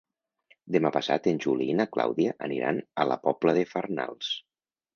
Demà passat en Juli i na Clàudia aniran a la Pobla de Farnals.